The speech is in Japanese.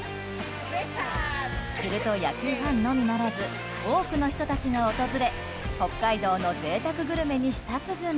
すると、野球ファンのみならず多くの人たちが訪れ北海道の贅沢グルメに舌つづみ。